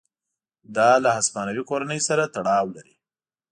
دا له هسپانوي کورنۍ سره تړاو لري.